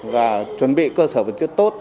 và chuẩn bị cơ sở vật chất tốt